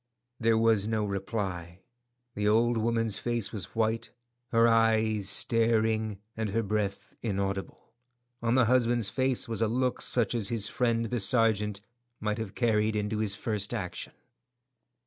There was no reply; the old woman's face was white, her eyes staring, and her breath inaudible; on the husband's face was a look such as his friend the sergeant might have carried into his first action.